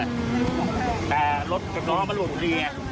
แต่รถจะร้องมันรวมทุกทีเนี้ยขาดร้องมันขาด